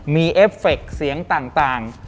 มีเอฟเฟคเสียงต่าง